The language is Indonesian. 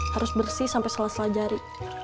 harus bersih sampe salah salah jari